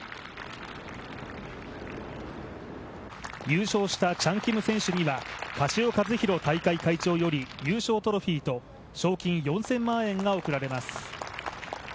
優勝したチャン・キム選手には樫尾和宏大会会長より優勝トロフィーと賞金４０００万円が贈られます。